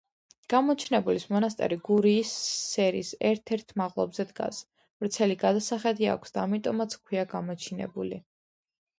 გამოჩინებულის მონასტერი გურიის სერის ერთ-ერთ მაღლობზე დგას, ვრცელი გადასახედი აქვს და ამიტომაც ჰქვია გამოჩინებული.